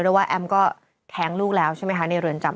ว่าแอมก็แท้งลูกแล้วใช่ไหมคะในเรือนจำ